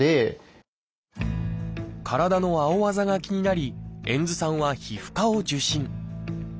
体の青あざが気になり遠津さんは皮膚科を受診。